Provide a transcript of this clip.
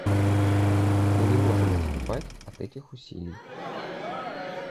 Мы не можем отступать от этих усилий.